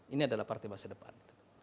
ini adalah partai masa depan